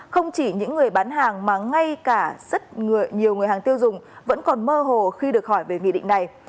không chỉ những người bán hàng mà ngay cả rất nhiều người hàng tiêu dùng vẫn còn mơ hồ khi được hỏi về nghị định này